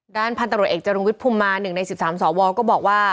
พันธุ์ตำรวจเอกจรุงวิทยภูมิมา๑ใน๑๓สวก็บอกว่า